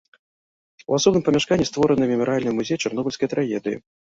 У асобным памяшканні створаны мемарыяльны музей чарнобыльскай трагедыі.